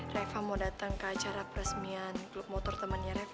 reva mau datang ke acara peresmian klub motor temannya reva